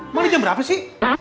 emang ini jam berapa sih